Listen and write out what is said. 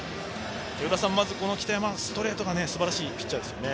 与田さん、まず北山はストレートがすばらしいピッチャーですよね。